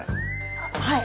あっはい。